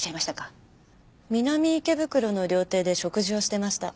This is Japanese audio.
南池袋の料亭で食事をしてました。